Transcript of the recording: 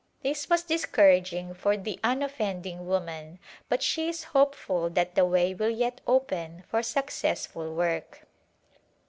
This was discouraging for the unoffending woman, but she is hopeful that the way will yet open for successful work.